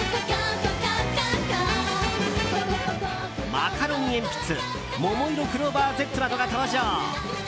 マカロニえんぴつももいろクローバーＺなどが登場。